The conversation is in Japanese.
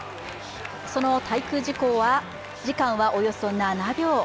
その滞空時間はおよそ７秒。